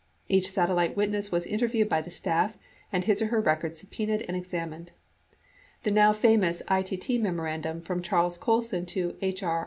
Each satellite wit ness was interviewed by the staff and his or her records subpenaed and examined. The now famous ITT memorandum from Charles Colson to H. R.